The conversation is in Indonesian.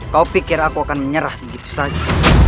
kau pikir aku akan menyerah begitu saja